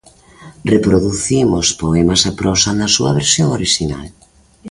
Reproducimos, poemas e prosa, na súa versión orixinal.